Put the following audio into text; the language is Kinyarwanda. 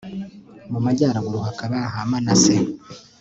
mu majyaruguru hakaba aha manase